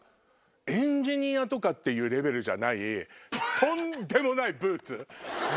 エンジニアってレベルじゃないとんでもないブーツ。